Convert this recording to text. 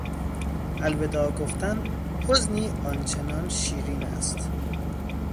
الوداع گفتن حزنی آن چنان شیرین است...